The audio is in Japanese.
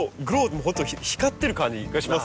本当光ってる感じがします